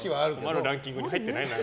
困るランキングに入ってない？